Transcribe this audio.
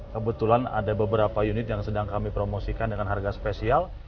kebetulan ada beberapa unit yang sedang kami promosikan dengan harga spesial